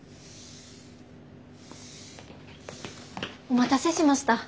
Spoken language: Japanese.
お待たせしました。